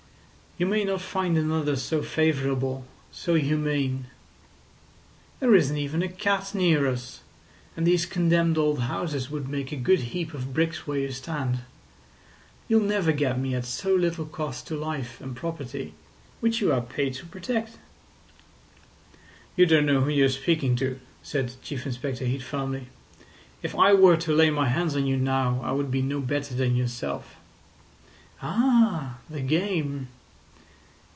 You may not find another so favourable, so humane. There isn't even a cat near us, and these condemned old houses would make a good heap of bricks where you stand. You'll never get me at so little cost to life and property, which you are paid to protect." "You don't know who you're speaking to," said Chief Inspector Heat firmly. "If I were to lay my hands on you now I would be no better than yourself." "Ah! The game!